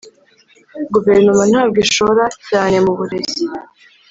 guverinoma ntabwo ishora cyane mu burezi.